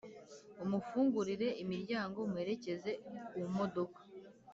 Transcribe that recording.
umufungurire imiryango, umuherekeze ku modoka